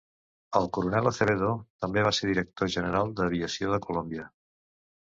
El coronel Acevedo també va ser director general d'aviació de Colòmbia.